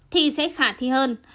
thì sẽ khả thi hơn